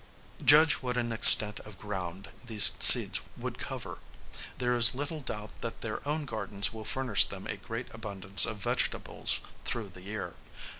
Judge what an extent of ground these seeds would cover. There is little doubt that their own gardens will furnish them a great abundance of vegetables through the year.